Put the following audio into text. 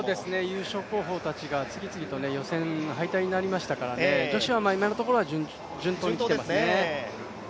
優勝候補たちが、次々と予選敗退になりましたからね女子は今のところ、順当に来ていますね。